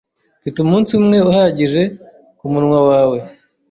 Mfite umunsi umwe uhagije kumunwa wawe.